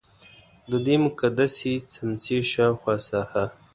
ددې مقدسې څمڅې شاوخوا ساحه.